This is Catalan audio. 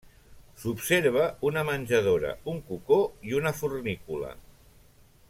S'observa una menjadora, un cocó i una fornícula.